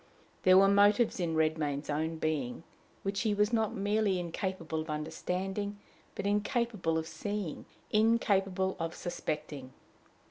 There were motives in Redmain's own being, which he was not merely incapable of understanding, but incapable of seeing, incapable of suspecting.